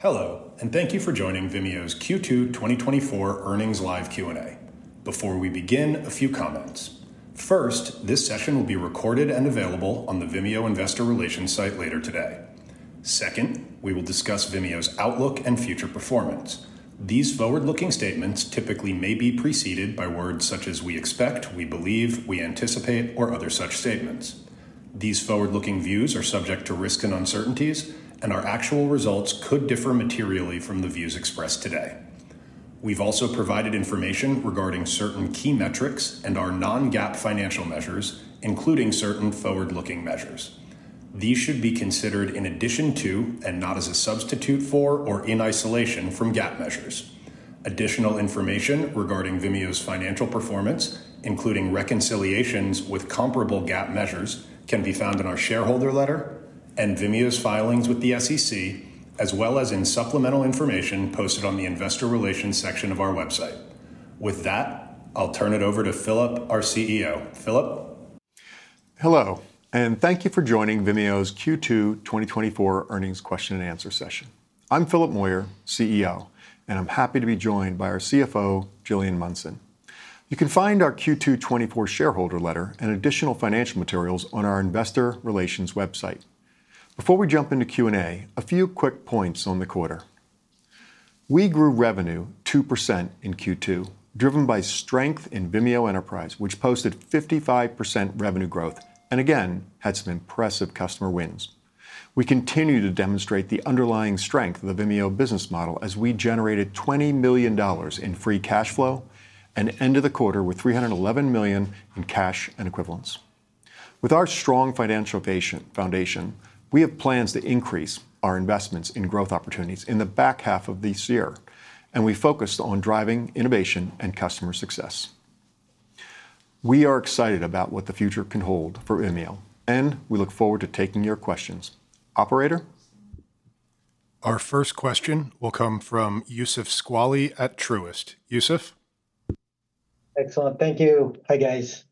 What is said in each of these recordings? Hello, and thank you for joining Vimeo's Q2 2024 Earnings Live Q&A. Before we begin, a few comments. First, this session will be recorded and available on the Vimeo Investor Relations site later today. Second, we will discuss Vimeo's outlook and future performance. These forward-looking statements typically may be preceded by words such as "we expect," "we believe," "we anticipate," or other such statements. These forward-looking views are subject to risk and uncertainties, and our actual results could differ materially from the views expressed today. We've also provided information regarding certain key metrics and our non-GAAP financial measures, including certain forward-looking measures. These should be considered in addition to, and not as a substitute for or in isolation from GAAP measures. Additional information regarding Vimeo's financial performance, including reconciliations with comparable GAAP measures, can be found in our shareholder letter and Vimeo's filings with the SEC, as well as in supplemental information posted on the Investor Relations section of our website. With that, I'll turn it over to Philip, our CEO. Philip? Hello, and thank you for joining Vimeo's Q2 2024 earnings question and answer session. I'm Philip Moyer, CEO, and I'm happy to be joined by our CFO, Gillian Munson. You can find our Q2 2024 shareholder letter and additional financial materials on our Investor Relations website. Before we jump into Q&A, a few quick points on the quarter. We grew revenue 2% in Q2, driven by strength in Vimeo Enterprise, which posted 55% revenue growth and again had some impressive customer wins. We continue to demonstrate the underlying strength of the Vimeo business model as we generated $20 million in free cash flow and ended the quarter with $311 million in cash and equivalents. With our strong financial foundation, we have plans to increase our investments in growth opportunities in the back half of this year, and we focused on driving innovation and customer success. We are excited about what the future can hold for Vimeo, and we look forward to taking your questions. Operator? Our first question will come from Youssef Squali at Truist. Youssef? Excellent. Thank you. Hi, guys.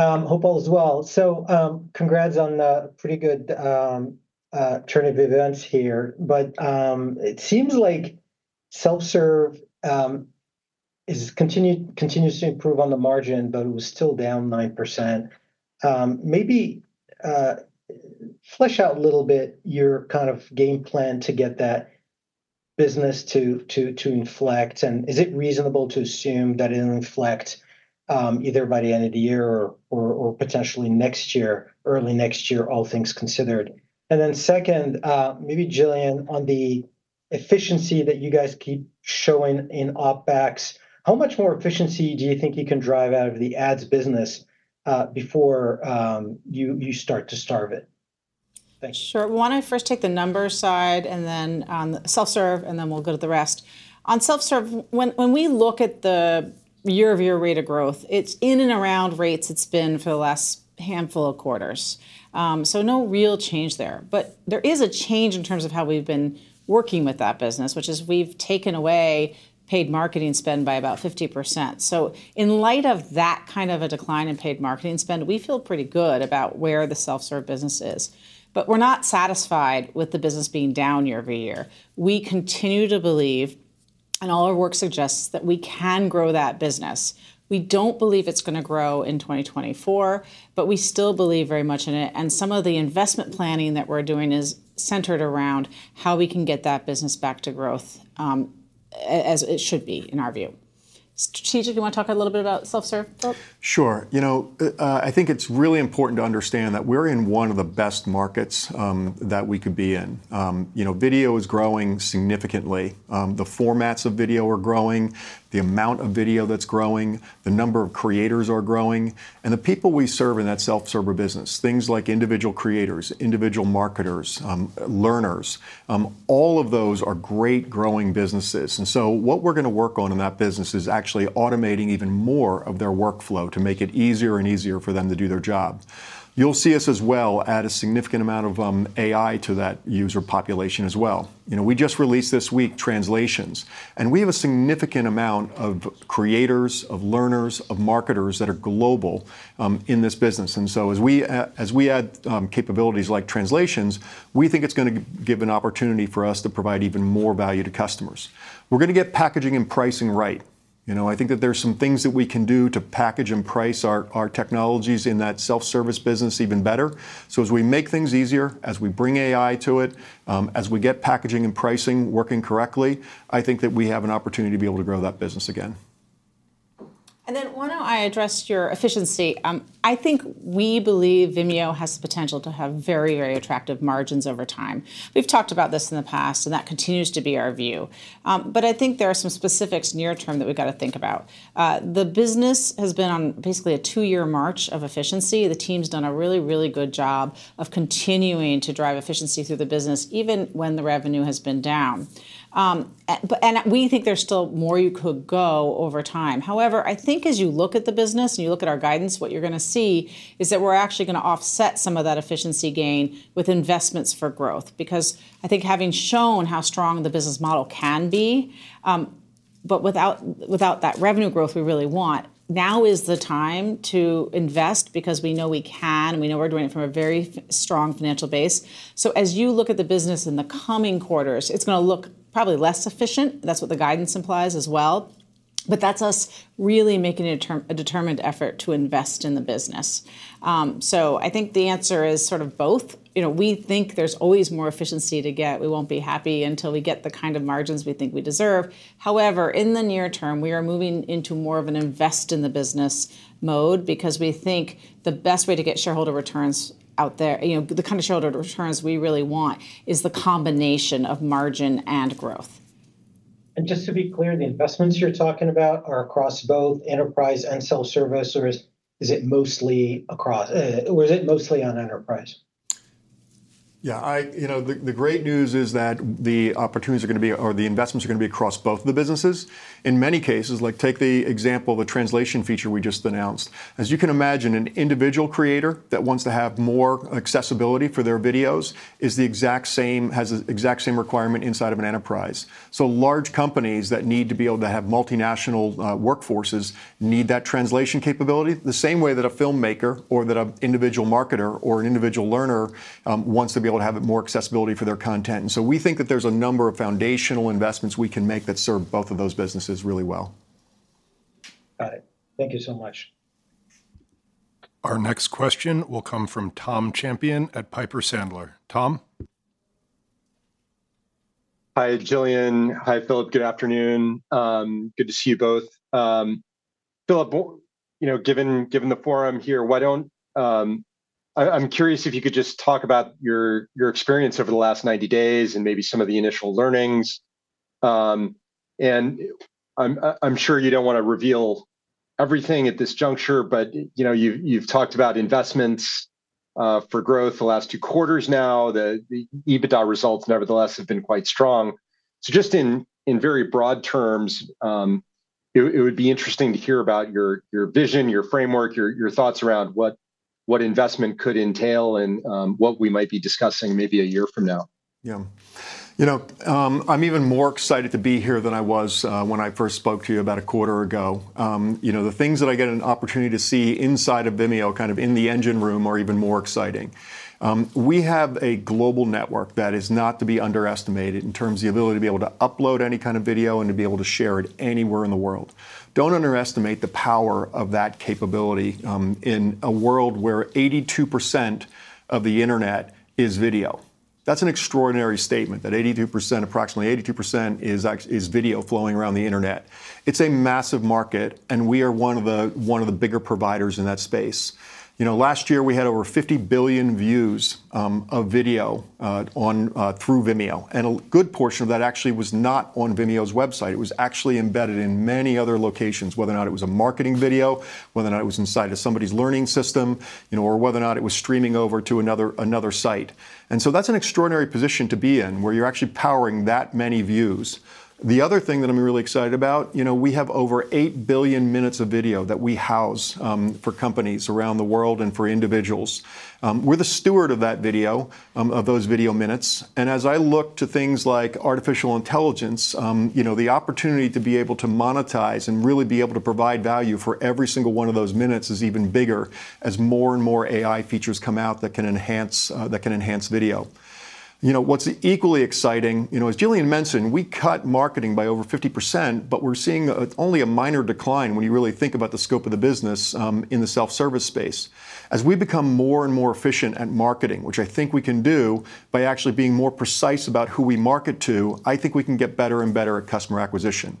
Hope all is well. So congrats on the pretty good turn of events here, but it seems like Self-Serve continues to improve on the margin, but it was still down 9%. Maybe flesh out a little bit your kind of game plan to get that business to inflect, and is it reasonable to assume that it'll inflect either by the end of the year or potentially next year, early next year, all things considered? And then second, maybe, Gillian, on the efficiency that you guys keep showing in OpEx, how much more efficiency do you think you can drive out of the ads business before you start to starve it? Sure. Why don't I first take the numbers side and then on Self-Serve, and then we'll go to the rest. On Self-Serve, when we look at the year-over-year rate of growth, it's in and around rates it's been for the last handful of quarters. So no real change there. But there is a change in terms of how we've been working with that business, which is we've taken away paid marketing spend by about 50%. So in light of that kind of a decline in paid marketing spend, we feel pretty good about where the Self-Serve business is. But we're not satisfied with the business being down year-over-year. We continue to believe, and all our work suggests that we can grow that business. We don't believe it's going to grow in 2024, but we still believe very much in it. Some of the investment planning that we're doing is centered around how we can get that business back to growth as it should be, in our view. Strategically, you want to talk a little bit about Self-Serve, Philip? Sure. You know, I think it's really important to understand that we're in one of the best markets that we could be in. Video is growing significantly. The formats of video are growing, the amount of video that's growing, the number of creators are growing, and the people we serve in that Self-Serve business, things like individual creators, individual marketers, learners, all of those are great growing businesses. And so what we're going to work on in that business is actually automating even more of their workflow to make it easier and easier for them to do their job. You'll see us as well add a significant amount of AI to that user population as well. We just released this week translations, and we have a significant amount of creators, of learners, of marketers that are global in this business. And so as we add capabilities like Translations, we think it's going to give an opportunity for us to provide even more value to customers. We're going to get packaging and pricing right. I think that there are some things that we can do to package and price our technologies in that Self-Serve business even better. So as we make things easier, as we bring AI to it, as we get packaging and pricing working correctly, I think that we have an opportunity to be able to grow that business again. Then why don't I address your efficiency? I think we believe Vimeo has the potential to have very, very attractive margins over time. We've talked about this in the past, and that continues to be our view. But I think there are some specifics near term that we've got to think about. The business has been on basically a two-year march of efficiency. The team's done a really, really good job of continuing to drive efficiency through the business, even when the revenue has been down. We think there's still more you could go over time. However, I think as you look at the business and you look at our guidance, what you're going to see is that we're actually going to offset some of that efficiency gain with investments for growth, because I think having shown how strong the business model can be, but without that revenue growth we really want, now is the time to invest because we know we can and we know we're doing it from a very strong financial base. So as you look at the business in the coming quarters, it's going to look probably less efficient. That's what the guidance implies as well. But that's us really making a determined effort to invest in the business. So I think the answer is sort of both. We think there's always more efficiency to get. We won't be happy until we get the kind of margins we think we deserve. However, in the near term, we are moving into more of an invest-in-the-business mode because we think the best way to get shareholder returns out there, the kind of shareholder returns we really want, is the combination of margin and growth. Just to be clear, the investments you're talking about are across both Enterprise and Self-Serve, or is it mostly across? Or is it mostly on Enterprise? Yeah. The great news is that the opportunities are going to be, or the investments are going to be across both of the businesses. In many cases, like take the example of the translation feature we just announced. As you can imagine, an individual creator that wants to have more accessibility for their videos is the exact same, has the exact same requirement inside of an enterprise. So large companies that need to be able to have multinational workforces need that translation capability the same way that a filmmaker or that an individual marketer or an individual learner wants to be able to have more accessibility for their content. And so we think that there's a number of foundational investments we can make that serve both of those businesses really well. Got it. Thank you so much. Our next question will come from Tom Champion at Piper Sandler. Tom? Hi, Gillian. Hi, Philip. Good afternoon. Good to see you both. Philip, given the forum here, I'm curious if you could just talk about your experience over the last 90 days and maybe some of the initial learnings. And I'm sure you don't want to reveal everything at this juncture, but you've talked about investments for growth the last two quarters now. The EBITDA results, nevertheless, have been quite strong. So just in very broad terms, it would be interesting to hear about your vision, your framework, your thoughts around what investment could entail and what we might be discussing maybe a year from now. Yeah. You know, I'm even more excited to be here than I was when I first spoke to you about a quarter ago. The things that I get an opportunity to see inside of Vimeo, kind of in the engine room, are even more exciting. We have a global network that is not to be underestimated in terms of the ability to be able to upload any kind of video and to be able to share it anywhere in the world. Don't underestimate the power of that capability in a world where 82% of the internet is video. That's an extraordinary statement, that approximately 82% is video flowing around the internet. It's a massive market, and we are one of the bigger providers in that space. Last year, we had over 50 billion views of video through Vimeo. And a good portion of that actually was not on Vimeo's website. It was actually embedded in many other locations, whether or not it was a marketing video, whether or not it was inside of somebody's learning system, or whether or not it was streaming over to another site. And so that's an extraordinary position to be in, where you're actually powering that many views. The other thing that I'm really excited about. We have over 8 billion minutes of video that we house for companies around the world and for individuals. We're the steward of that video, of those video minutes. And as I look to things like artificial intelligence, the opportunity to be able to monetize and really be able to provide value for every single one of those minutes is even bigger as more and more AI features come out that can enhance video. What's equally exciting, as Gillian mentioned, we cut marketing by over 50%, but we're seeing only a minor decline when you really think about the scope of the business in the Self-Serve space. As we become more and more efficient at marketing, which I think we can do by actually being more precise about who we market to, I think we can get better and better at customer acquisition.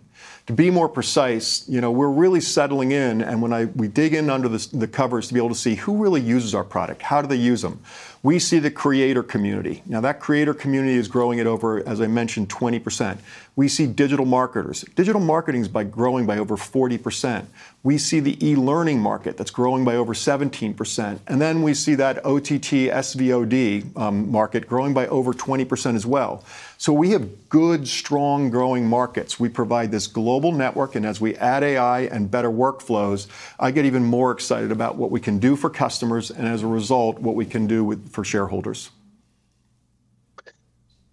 To be more precise, we're really settling in, and when we dig in under the covers to be able to see who really uses our product, how do they use them, we see the creator community. Now, that creator community is growing at over, as I mentioned, 20%. We see digital marketers. Digital marketing is growing by over 40%. We see the e-learning market that's growing by over 17%. And then we see that OTT, SVOD market growing by over 20% as well. So we have good, strong, growing markets. We provide this global network, and as we add AI and better workflows, I get even more excited about what we can do for customers and, as a result, what we can do for shareholders.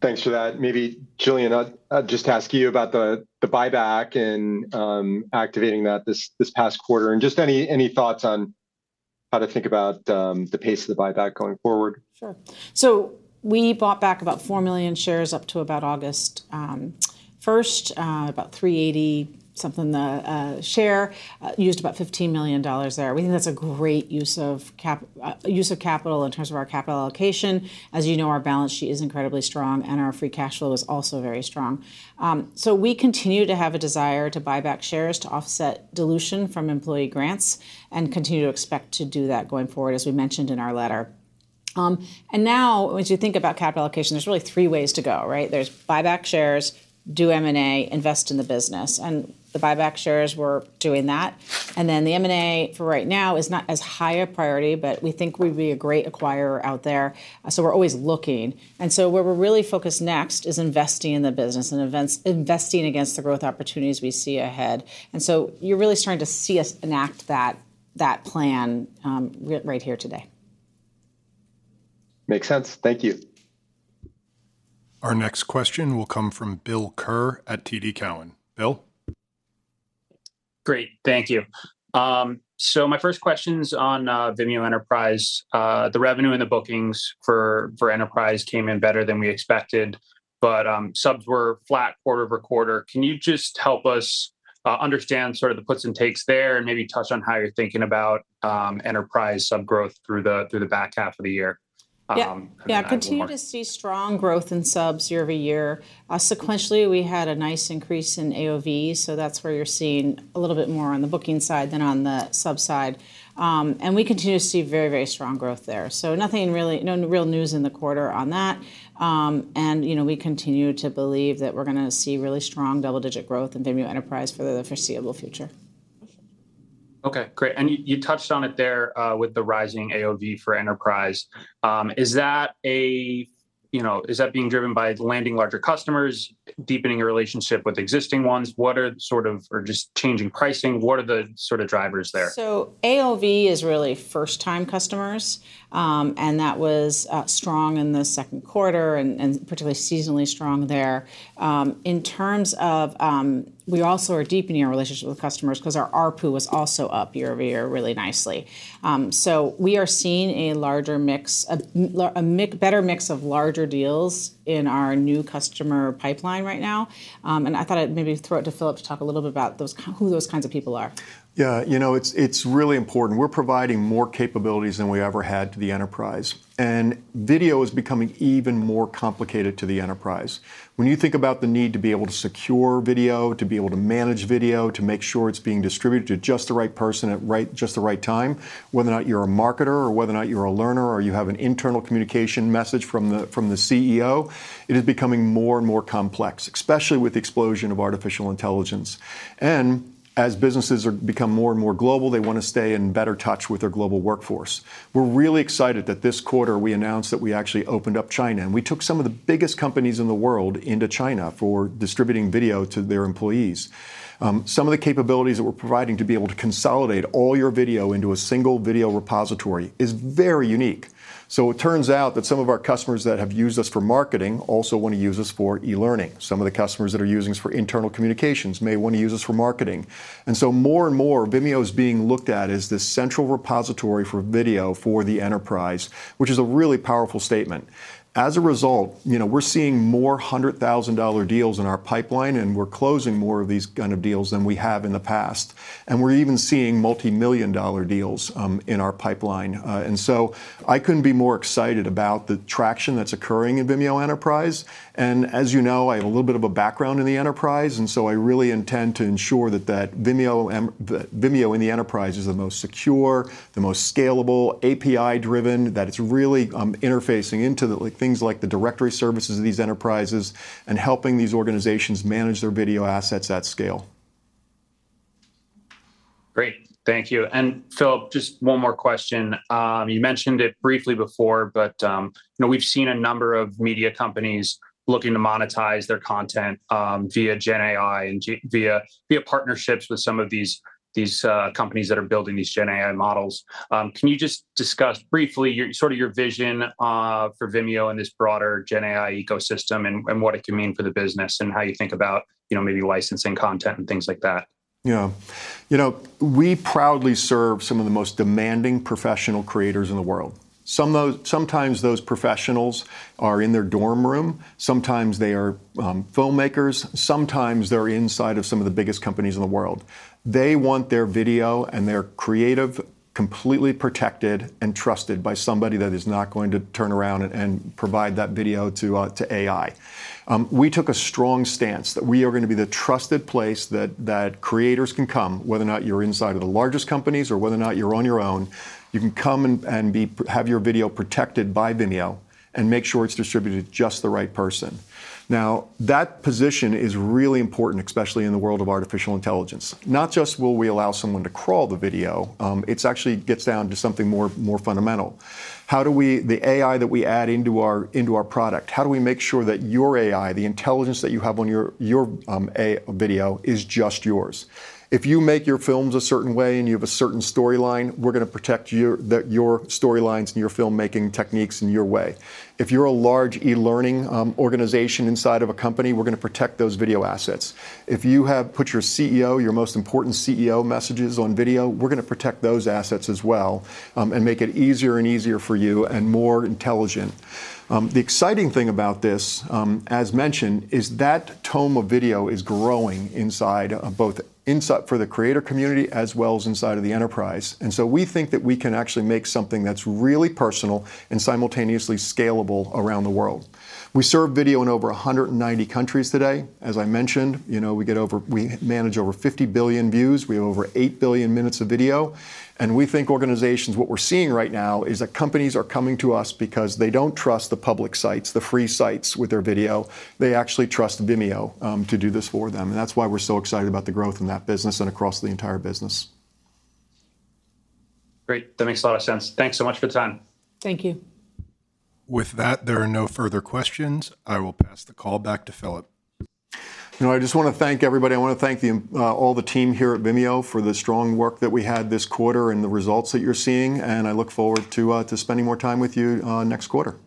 Thanks for that. Maybe, Gillian, I'll just ask you about the buyback and activating that this past quarter. Just any thoughts on how to think about the pace of the buyback going forward? Sure. So we bought back about 4 million shares up to about August 1st, about $3.80-something a share, used about $15 million there. We think that's a great use of capital in terms of our capital allocation. As you know, our balance sheet is incredibly strong, and our free cash flow is also very strong. So we continue to have a desire to buy back shares to offset dilution from employee grants and continue to expect to do that going forward, as we mentioned in our letter. And now, as you think about capital allocation, there's really three ways to go. There's buy back shares, do M&A, invest in the business. And the buy back shares, we're doing that. And then the M&A for right now is not as high a priority, but we think we'd be a great acquirer out there. So we're always looking. And so where we're really focused next is investing in the business and investing against the growth opportunities we see ahead. And so you're really starting to see us enact that plan right here today. Makes sense. Thank you. Our next question will come from Bill Kerr at TD Cowen. Bill? Great. Thank you. So my first question is on Vimeo Enterprise. The revenue and the bookings for enterprise came in better than we expected, but subs were flat quarter-over-quarter. Can you just help us understand sort of the puts and takes there and maybe touch on how you're thinking about enterprise sub growth through the back half of the year? Yeah. Continue to see strong growth in subs year over year. Sequentially, we had a nice increase in AOV, so that's where you're seeing a little bit more on the booking side than on the sub side. And we continue to see very, very strong growth there. So nothing really, no real news in the quarter on that. And we continue to believe that we're going to see really strong double-digit growth in Vimeo Enterprise for the foreseeable future. Okay. Great. And you touched on it there with the rising AOV for enterprise. Is that being driven by landing larger customers, deepening your relationship with existing ones? What are sort of, or just changing pricing? What are the sort of drivers there? So AOV is really first-time customers, and that was strong in the second quarter and particularly seasonally strong there. In terms of, we also are deepening our relationship with customers because our ARPU was also up year-over-year really nicely. So we are seeing a larger mix, a better mix of larger deals in our new customer pipeline right now. And I thought I'd maybe throw it to Philip to talk a little bit about who those kinds of people are. Yeah. You know, it's really important. We're providing more capabilities than we ever had to the enterprise. Video is becoming even more complicated to the enterprise. When you think about the need to be able to secure video, to be able to manage video, to make sure it's being distributed to just the right person at just the right time, whether or not you're a marketer or whether or not you're a learner or you have an internal communication message from the CEO, it is becoming more and more complex, especially with the explosion of artificial intelligence. As businesses become more and more global, they want to stay in better touch with their global workforce. We're really excited that this quarter we announced that we actually opened up China. We took some of the biggest companies in the world into China for distributing video to their employees. Some of the capabilities that we're providing to be able to consolidate all your video into a single video repository is very unique. So it turns out that some of our customers that have used us for marketing also want to use us for e-learning. Some of the customers that are using us for internal communications may want to use us for marketing. And so more and more, Vimeo is being looked at as this central repository for video for the enterprise, which is a really powerful statement. As a result, we're seeing more $100,000 deals in our pipeline, and we're closing more of these kind of deals than we have in the past. And we're even seeing multi-million dollar deals in our pipeline. And so I couldn't be more excited about the traction that's occurring in Vimeo Enterprise. As you know, I have a little bit of a background in the enterprise, and so I really intend to ensure that Vimeo in the enterprise is the most secure, the most scalable, API-driven, that it's really interfacing into things like the directory services of these enterprises and helping these organizations manage their video assets at scale. Great. Thank you. Philip, just one more question. You mentioned it briefly before, but we've seen a number of media companies looking to monetize their content via GenAI and via partnerships with some of these companies that are building these GenAI models. Can you just discuss briefly sort of your vision for Vimeo and this broader GenAI ecosystem and what it can mean for the business and how you think about maybe licensing content and things like that? Yeah. You know, we proudly serve some of the most demanding professional creators in the world. Sometimes those professionals are in their dorm room. Sometimes they are filmmakers. Sometimes they're inside of some of the biggest companies in the world. They want their video and their creative completely protected and trusted by somebody that is not going to turn around and provide that video to AI. We took a strong stance that we are going to be the trusted place that creators can come, whether or not you're inside of the largest companies or whether or not you're on your own. You can come and have your video protected by Vimeo and make sure it's distributed to just the right person. Now, that position is really important, especially in the world of artificial intelligence. Not just will we allow someone to crawl the video, it actually gets down to something more fundamental. The AI that we add into our product, how do we make sure that your AI, the intelligence that you have on your video, is just yours? If you make your films a certain way and you have a certain storyline, we're going to protect your storylines and your filmmaking techniques in your way. If you're a large e-learning organization inside of a company, we're going to protect those video assets. If you have put your CEO, your most important CEO messages on video, we're going to protect those assets as well and make it easier and easier for you and more intelligent. The exciting thing about this, as mentioned, is that ton of video is growing inside both for the creator community as well as inside of the enterprise. And so we think that we can actually make something that's really personal and simultaneously scalable around the world. We serve video in over 190 countries today. As I mentioned, we manage over 50 billion views. We have over 8 billion minutes of video. And we think organizations, what we're seeing right now is that companies are coming to us because they don't trust the public sites, the free sites with their video. They actually trust Vimeo to do this for them. And that's why we're so excited about the growth in that business and across the entire business. Great. That makes a lot of sense. Thanks so much for the time. Thank you. With that, there are no further questions. I will pass the call back to Philip. I just want to thank everybody. I want to thank all the team here at Vimeo for the strong work that we had this quarter and the results that you're seeing. I look forward to spending more time with you next quarter.